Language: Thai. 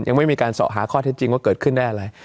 ยังไม่มีการสอบหาข้อเท็จจริงว่าเกิดขึ้นได้อะไร